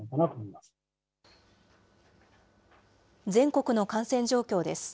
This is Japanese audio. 全国の感染状況です。